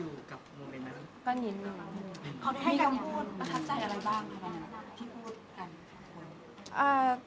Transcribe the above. เมื่อกี้เขาพูดภาพใจอะไรที่พูดทรัพย์กัน